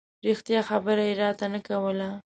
رښتیا خبره یې راته نه کوله.